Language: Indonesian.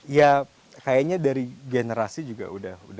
ya kayaknya dari generasi juga udah